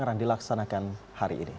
sekarang dilaksanakan hari ini